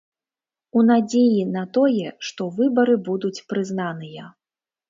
У надзеі на тое, што выбары будуць прызнаныя.